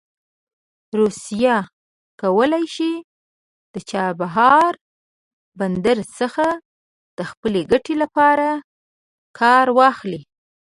روسیه کولی شي د چابهار بندر څخه د خپلې ګټې لپاره کار واخلي.